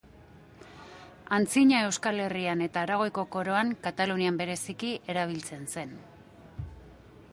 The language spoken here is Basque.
Antzina Euskal Herrian eta Aragoiko Koroan, Katalunian bereziki, erabiltzen zen.